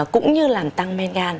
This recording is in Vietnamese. cũng như làm tăng men gan